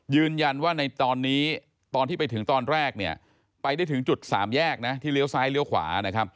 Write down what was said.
ยืนยันว่าในตอนนี้ตอนที่ไปถึงตอนแรกเนี่ยไปได้ถึงจุดสามแยกนะที่เลี้ยวซ้ายเลี้ยวขวานะครับ